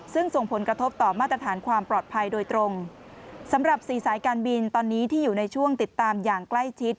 ซึ่งส่งผลกระทบต่อมาตรฐานความปลอดภัยโดยตรงสำหรับสี่สายการบินตอนนี้ที่อยู่ในช่วงติดตามอย่างใกล้ชิด